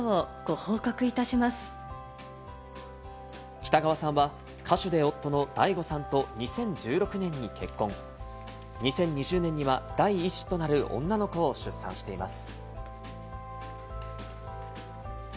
北川さんは歌手で夫のＤＡＩＧＯさんと２０１６年に結婚、２０２０年には第１子となる女の子を出産しています。